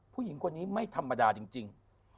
ผู้หญิงคนนี้ไม่ธรรมดาจริง